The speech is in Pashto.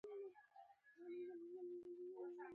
اغېزناکه ډيپلوماسي د هېواد اعتبار لوړوي.